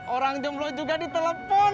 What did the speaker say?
orang jomblo juga ditelepon